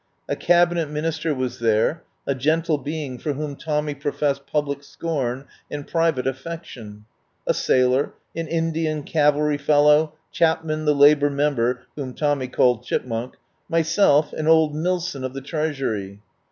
A Cabinet Minister was there, a gentle being for whom Tommy pro fessed public scorn and private affection; a sailor; an Indian cavalry fellow; Chapman, the Labour member, whom Tommy called Chipmunk; myself, and old Milson of the Treasury.